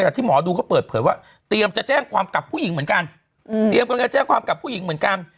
แต่ที่หมอดูก็เปิดเผยว่าเตรียมจะแจ้งความกลับผู้หญิงเหมือนกัน